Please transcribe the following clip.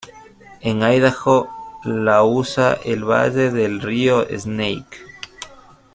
En Idaho la usa el valle del río Snake.